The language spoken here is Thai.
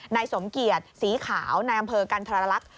นายสมเกียจสีขาวนายอำเภอกันธรรลักษณ์